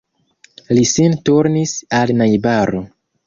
Li sin turnis al najbaro.